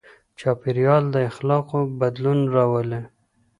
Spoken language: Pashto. چاپېريال د اخلاقو بدلون راولي.